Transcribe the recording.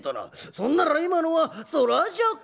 そんなら今のは空癪かあ』。